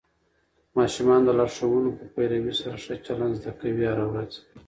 ماشومان د لارښوونو په پیروي سره ښه چلند زده کوي هره ورځ.